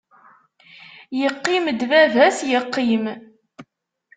Yeqqim-d baba-s yeqqim.